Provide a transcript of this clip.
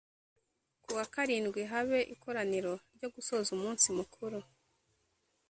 ku wa karindwi habe ikoraniro ryo gusoza umunsi mukuru